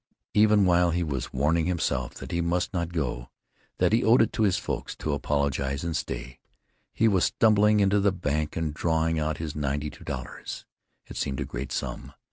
Even while he was warning himself that he must not go, that he owed it to his "folks" to apologize and stay, he was stumbling into the bank and drawing out his ninety two dollars. It seemed a great sum.